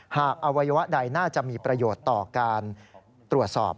อวัยวะใดน่าจะมีประโยชน์ต่อการตรวจสอบ